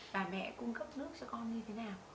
bà mẹ cung cấp nước cho con như thế nào